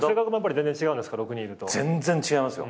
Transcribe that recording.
全然違いますよ。